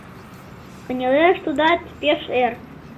Кынелеш тудат пеш эр.